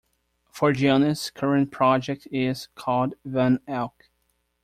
Forgione's current project is called Van Elk.